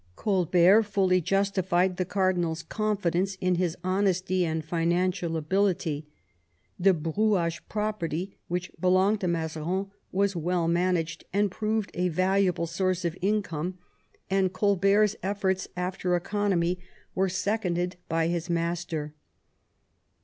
Colbert fully justified the cardinal's con fidence in his honesty and financial ability. The Brouage property which belonged to Mazarin was well managed, and proved a valuable source of income, and Colbert's efforts after economy were seconded by his IX MAZARIN'S DEATH, CHARACTER, AND WORK 171 master.